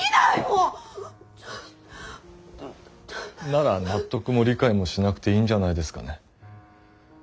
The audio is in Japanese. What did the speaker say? なら納得も理解もしなくていいんじゃないですかね。